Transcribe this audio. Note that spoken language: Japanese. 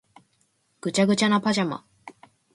ぐちゃぐちゃなパジャマ